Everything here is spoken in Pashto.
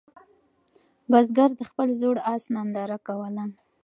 بزګر د خپل زوړ آس ننداره کوله.